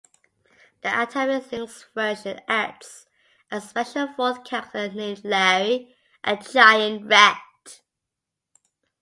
The Atari Lynx version adds a special fourth character named Larry, a giant rat.